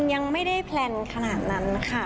ยังไม่ได้แพลนขนาดนั้นค่ะ